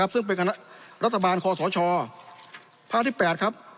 ซึ่งเป็นคณะรัฐบาลคศพที่๘